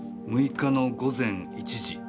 ６日の午前１時。